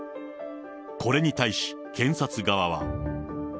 これに対し、検察側は。